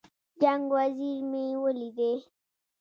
جنګ وزیر مې ولیدی.